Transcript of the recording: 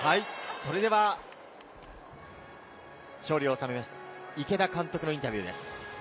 それでは勝利を収めました、池田監督のインタビューです。